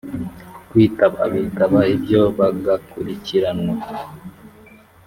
kwitaba bitaba ibyo bagakurikiranwa